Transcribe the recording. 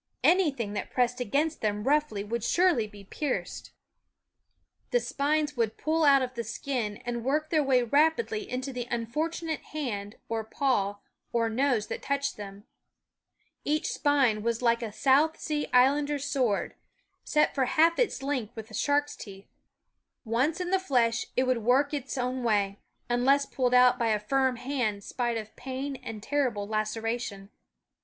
Anything that pressed against them roughly would surely be pierced ; the spines would pull out of the skin, and work their way rapidly into the unfortunate hand or paw or nose that touched them. Each spine was like a South Sea Islander's sword, set 246 SCHOOL Of for half its length with shark's teeth. Once *57 / i//5>X0w * n ^ e ^ es ^wou ld work its own way, r ~^ 'Fu/1 un ^ ess pulled out with a firm hand spite of pain and terrible laceration.